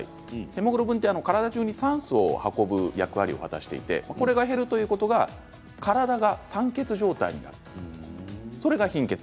ヘモグロビンは体じゅうに酸素を運ぶ役割を果たしていてこれが減るということは体が酸欠状態になるそれが貧血。